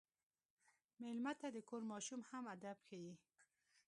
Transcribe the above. مېلمه ته د کور ماشوم هم ادب ښيي.